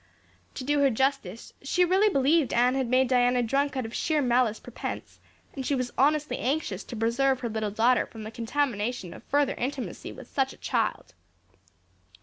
To do her justice, she really believed Anne had made Diana drunk out of sheer malice prepense, and she was honestly anxious to preserve her little daughter from the contamination of further intimacy with such a child.